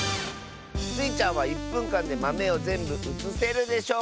スイちゃんは１ぷんかんでまめをぜんぶうつせるでしょうか？